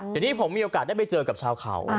ทีนี้ผมมีโอกาสได้ไปเจอกับชาวเขา